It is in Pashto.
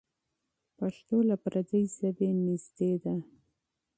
پښتو له پردۍ ژبې نږدې ده.